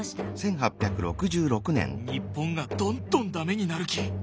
日本がどんどん駄目になるき。